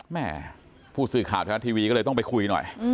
ผู้สื่อข่าวไทยรัฐทีวีก็เลยต้องไปคุยหน่อย